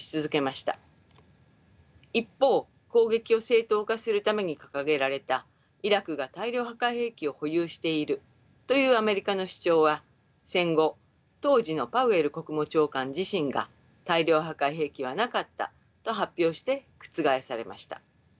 一方攻撃を正当化するために掲げられたイラクが大量破壊兵器を保有しているというアメリカの主張は戦後当時のパウエル国務長官自身が大量破壊兵器はなかったと発表して覆されました。